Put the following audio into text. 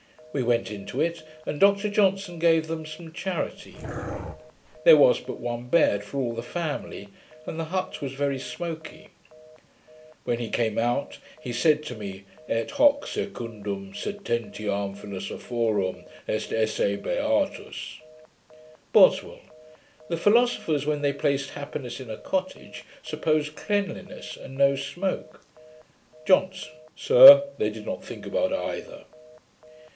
We went into it, and Dr Johnson gave them some charity. There was but one bed for all the family, and the hut was very smoky. When he came out, he said to me, 'Et hoc secundum sententiam philosophorum est esse beatus.' BOSWELL. 'The philosophers, when they placed happiness in a cottage, supposed cleanliness and no smoke.' JOHNSON. 'Sir, they did not think about either.'